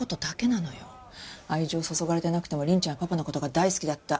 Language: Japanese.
愛情を注がれてなくても凛ちゃんはパパの事が大好きだった。